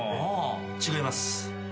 違います。